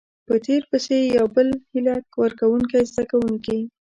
په تير پسې يو بل هيله ورکوونکۍ زده کوونکي